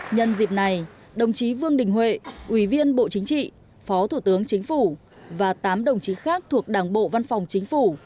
nhân dịp này đồng chí vương đình huệ ủy viên bộ chính trị phó thủ tướng chính phủ và tám đồng chí khác thuộc đảng bộ văn phòng chính phủ